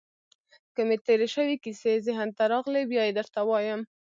که مې تېرې شوې کیسې ذهن ته راغلې، بیا يې درته وایم.